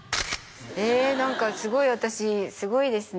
え何かすごい私すごいですね